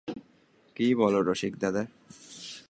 কী বল রসিকদাদা।